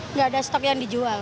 nggak ada stok yang dijual